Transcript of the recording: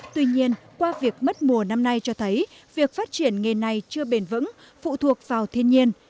tuy nhiên qua việc mất mùa năm nay cho thấy việc phát triển nghề này chưa bền vững phụ thuộc vào thiên nhiên